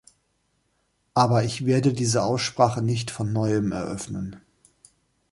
Aber ich werde diese Aussprache nicht von neuem eröffnen.